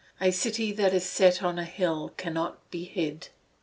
A city that is set on a hill cannot be hid."